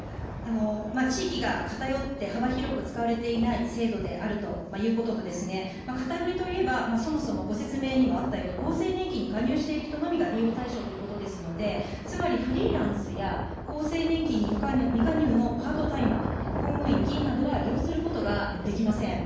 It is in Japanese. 地域が偏って、幅広く使われていない制度であるということと、偏りといえば、そもそもご説明にもあったように、厚生年金に加入している人のみが利用対象ということですので、つまりフリーランスや厚生年金に未加入のパートタイマー、公務員、議員などは利用することができません。